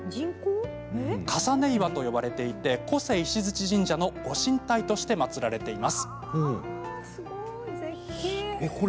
重岩と呼ばれていて小瀬石鑓神社のご神体として祭られています。